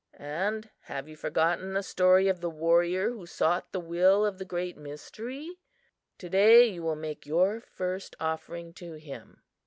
And have you forgotten the story of the warrior who sought the will of the Great Mystery? To day you will make your first offering to him."